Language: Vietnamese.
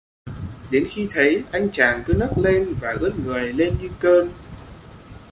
Đến khi thấy Anh chàng cứ nấc lên và ưỡn người như lên cơn